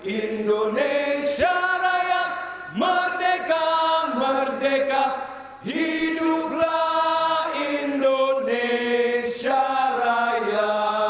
indonesia raya merdeka merdeka hiduplah indonesia raya